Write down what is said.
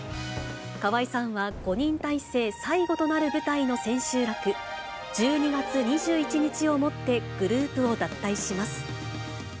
河合さんは、５人体制最後となる舞台の千秋楽、１２月２１日をもってグループを脱退します。